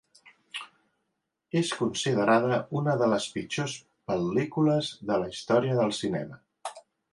És considerada una de les pitjors pel·lícules de la història del cinema.